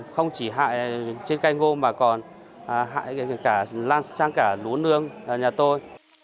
không chỉ hại trên cây ngô mà còn hại cả lan sang cả lúa nương nhà tôi